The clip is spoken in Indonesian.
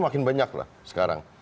makin banyak lah sekarang